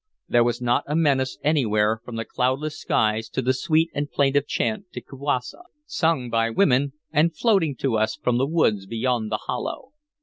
There was not a menace anywhere from the cloudless skies to the sweet and plaintive chant to Kiwassa, sung by women and floating to us from the woods beyond the hollow.